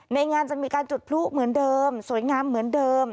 ในงานจะมีการจุดพลุเหมือนเดิมสวยงามเหมือนเดิม